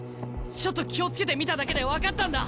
ちょっと気を付けて見ただけで分かったんだ